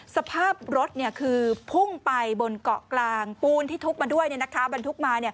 สภาพรถคือพุ่งไปบนเกาะกลางปูนที่ทุบมาด้วยบรรทุกมา